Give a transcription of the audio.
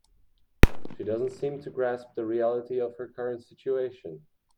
She doesn't seem to grasp the reality of her current situation.